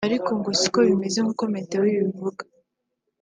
ariko ngo si ko bimeze nk’uko Meteo ibivuga